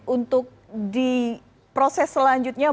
untuk di proses selanjutnya